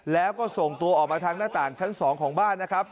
แล้วก็ส่งตัวออกมาทางหน้าต่างชั้น๒ของบ้านนะครับ